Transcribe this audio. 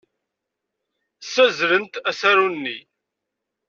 Ssazzlent asaru-nni.